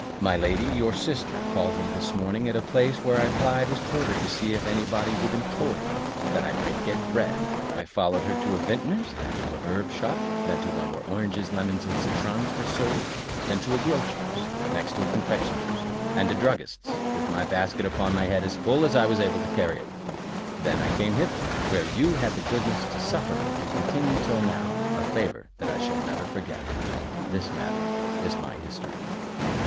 My lady, your sister, called me this morning at the place where I plyed as porter to see if any body would employ me, that I might get my bread; I followed her to a vintner's, then to a herb shop, then to one where oranges, lemons, and citrons were sold, then to a grocer's, next to a confectioner's, and a druggist's, with my basket upon my head as full as I was able to carry it; then I came hither, where you had the goodness to suffer me to continue till now, a favour that I shall never forget. This, madam, is my history."